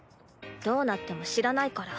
どうなっても知らないから。